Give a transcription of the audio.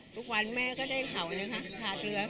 ทุกวันแม่ก็ได้เขานะคะขาดเหลือ